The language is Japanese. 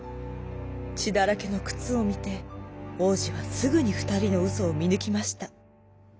ちだらけのくつをみておうじはすぐにふたりのうそをみぬきました。